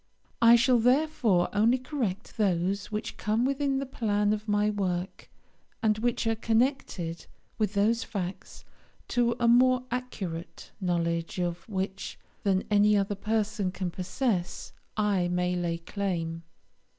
I shall therefore only correct those which come within the plan of my work, and which are connected with those facts, to a more accurate knowledge of which than any other person can possess I may lay claim.